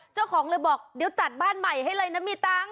เจ้าของเลยบอกเดี๋ยวจัดบ้านใหม่ให้เลยนะมีตังค์